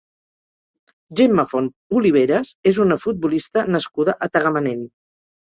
Gemma Font Oliveras és una futbolista nascuda a Tagamanent.